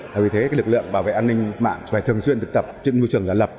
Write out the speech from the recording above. là vì thế cái lực lượng bảo vệ an ninh mạng phải thường xuyên tập trung vô trường giả lập